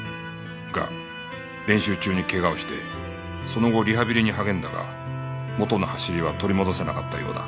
が練習中に怪我をしてその後リハビリに励んだが元の走りは取り戻せなかったようだ。